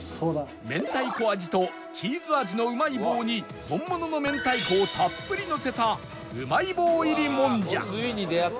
明太子味とチーズ味のうまい棒に本物の明太子をたっぷりのせたうまい棒入りもんじゃ